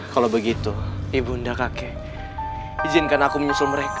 kalau begitu ibu nda kakek izinkan aku menyusul mereka